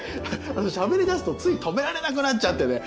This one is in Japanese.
あのしゃべりだすとつい止められなくなっちゃってね。